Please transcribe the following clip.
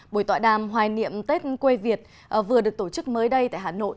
buổi tọa đàm hoài niệm tết quê việt vừa được tổ chức mới đây tại hà nội